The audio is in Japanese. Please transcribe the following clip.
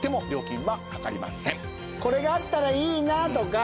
これがあったらいいなとか。